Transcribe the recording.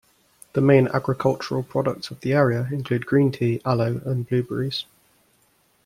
The main agricultural products of the area include green tea, aloe and blueberries.